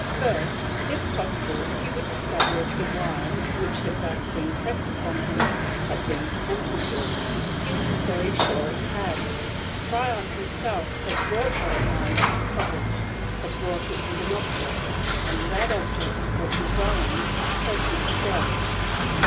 First, if possible, he would discover if the wine which had been thus pressed upon him had been tampered with. He was very sure it had. Tryon himself had brought that wine to the cottage had brought it with an object; and that object was his own Percy's death!